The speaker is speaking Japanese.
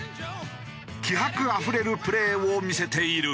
気迫あふれるプレーを見せている。